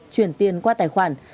chuyển tiền qua tài khoản